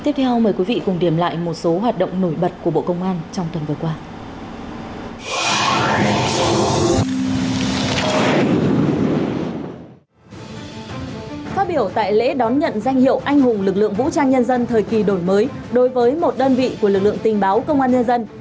phát biểu tại lễ đón nhận danh hiệu anh hùng lực lượng vũ trang nhân dân thời kỳ đổi mới đối với một đơn vị của lực lượng tình báo công an nhân dân